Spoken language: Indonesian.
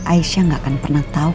aisyah gak akan pernah tahu